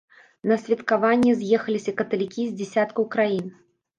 На святкаванне з'ехаліся каталікі з дзесяткаў краін.